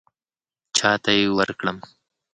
چاته یې ورکړم.